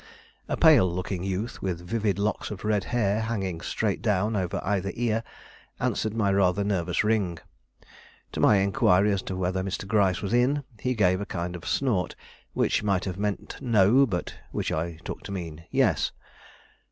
A pale looking youth, with vivid locks of red hair hanging straight down over either ear, answered my rather nervous ring. To my inquiry as to whether Mr. Gryce was in, he gave a kind of snort which might have meant no, but which I took to mean yes.